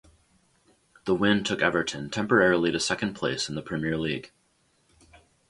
The win took Everton temporarily to second place in the Premier League.